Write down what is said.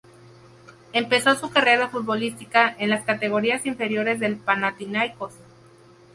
Empezó su carrera futbolística en las categorías inferiores del Panathinaikos.